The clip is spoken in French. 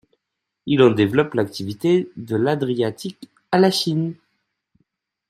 Il en développe l'activité de l'Adriatique à la Chine.